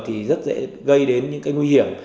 thì rất dễ gây đến những cái nguy hiểm